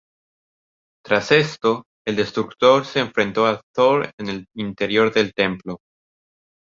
Tras esto, el Destructor se enfrentó a Thor en el interior del templo.